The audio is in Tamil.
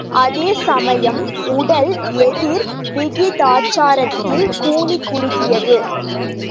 அதேசமயம், உடல் எதிர் விகிதாச்சாரத்தில் கூனிக் குறுகியது.